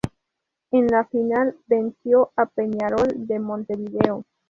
En la final, venció a Peñarol de Montevideo.